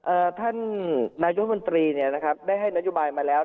ท่านนายมนตรีเนี่ยนะครับได้ให้นโยบายมาแล้ว